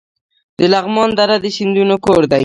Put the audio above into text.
د لغمان دره د سیندونو کور دی